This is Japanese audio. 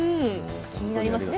気になりますね。